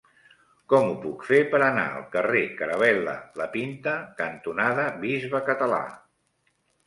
Com ho puc fer per anar al carrer Caravel·la La Pinta cantonada Bisbe Català?